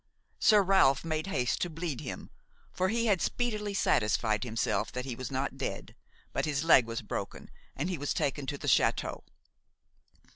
Sir Ralph made haste to bleed him; for he had speedily satisfied himself that he was not dead; but his leg was broken and he was taken to the château.